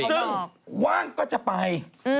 ซึ่งว่างก็จะไป